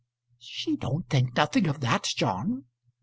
"She don't think nothing of that, John."